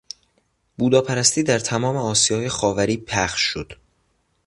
بوداپرستی در تمام آسیای خاوری پخش شد.